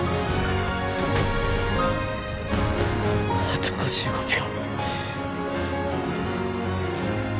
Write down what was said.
あと５５秒。